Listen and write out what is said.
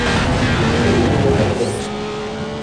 O que eu deveria fazer?